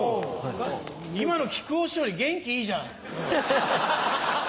今の木久扇師匠より元気いいじゃん。